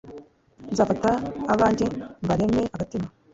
nzafata abanjye mbareme agatima